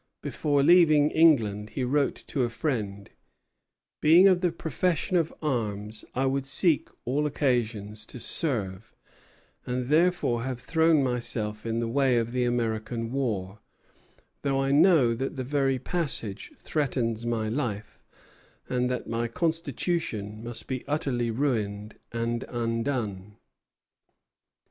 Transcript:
Before leaving England he wrote to a friend: "Being of the profession of arms, I would seek all occasions to serve; and therefore have thrown myself in the way of the American war, though I know that the very passage threatens my life, and that my constitution must be utterly ruined and undone."